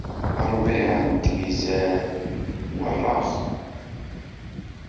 Ṛbiɛ n tmizar weṛṛaɣ.